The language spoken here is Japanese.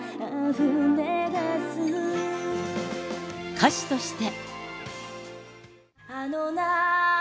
歌手として。